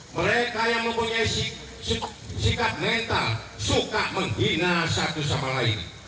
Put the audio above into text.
mereka yang mempunyai sikap mental suka menghina satu sama lain